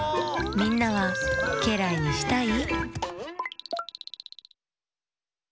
みんなはけらいにしたい？